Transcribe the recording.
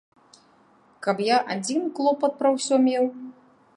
Каб я адзін клопат пра ўсё меў?